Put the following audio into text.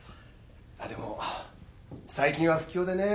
でも最近は不況でね。